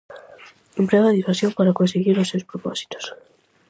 Emprega a disuasión para conseguir os seus propósitos.